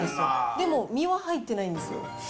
でも、実は入ってないんですよ。